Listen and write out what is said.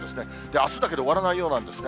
あすだけで終わらないようなんですね。